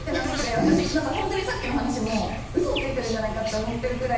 私なんかほんとにさっきの話も嘘をついてるんじゃないかって思ってるくらい。